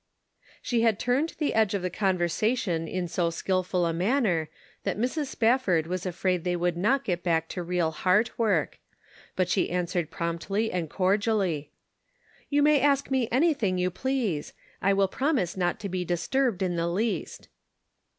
She had turned the edge of the conversa tion in so skillful a manner that Mrs. Spafford was afraid they would not get back to real heart work; but she answered promptly and cordially. " You may ask me anything you please ; I will promise not to be disturbed in the least."